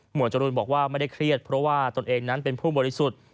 จรูนบอกว่าไม่ได้เครียดเพราะว่าตนเองนั้นเป็นผู้บริสุทธิ์